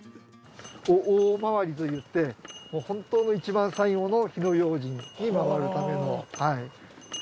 大回りといって本当の一番最後の火の用心に回るための。